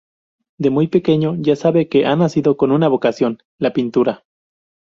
De muy pequeño ya sabe que ha nacido con una vocación: la pintura.